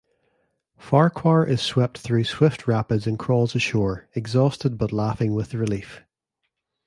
Farquhar is swept through swift rapids and crawls ashore exhausted but laughing with relief.